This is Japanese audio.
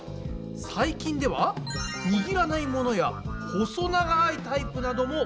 最近ではにぎらないものや細長いタイプなども話題に。